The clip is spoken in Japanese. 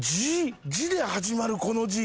「じ」で始まるこの字。